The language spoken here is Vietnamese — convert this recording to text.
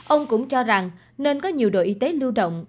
ông cũng cho rằng nên có nhiều đội y tế lưu động